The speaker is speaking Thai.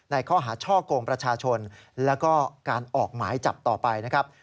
ข้อหาช่อกงประชาชนแล้วก็การออกหมายจับต่อไปนะครับ